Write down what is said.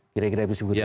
kira kira begitu